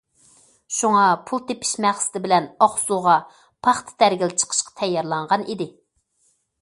شۇڭا پۇل تېپىش مەقسىتى بىلەن ئاقسۇغا پاختا تەرگىلى چىقىشقا تەييارلانغان ئىدى.